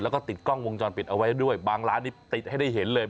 แล้วก็ติดกล้องวงจรปิดเอาไว้ด้วยบางร้านนี้ติดให้ได้เห็นเลย